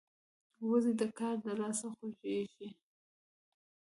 وزې د کار د لاسه خوښيږي